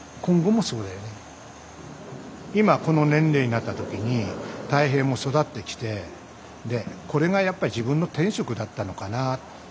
今この年齢になった時に泰平も育ってきてでこれがやっぱり自分の天職だったのかな。